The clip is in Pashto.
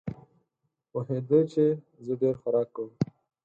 پوهېده چې زه ډېر خوراک کوم.